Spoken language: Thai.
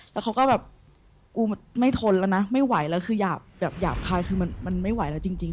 แล้วเขาก็แบบกูไม่ทนแล้วนะไม่ไหวแล้วคือหยาบแบบหยาบคายคือมันไม่ไหวแล้วจริง